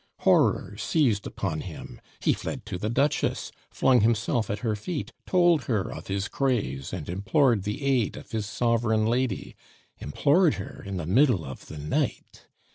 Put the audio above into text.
Horror seized upon him; he fled to the Duchess, flung himself at her feet, told her of his craze, and implored the aid of his sovereign lady, implored her in the middle of the night.